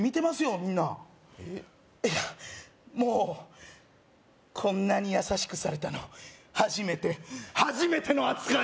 みんないやもうこんなに優しくされたの初めてはじめてのあつかい！